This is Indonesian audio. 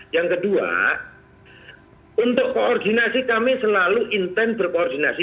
yang kedua untuk koordinasi kami selalu intent berkoordinasi